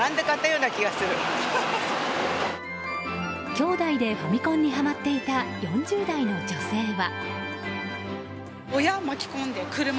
きょうだいでファミコンにはまっていた４０代の女性は。